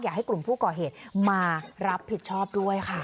อยากให้กลุ่มผู้ก่อเหตุมารับผิดชอบด้วยค่ะ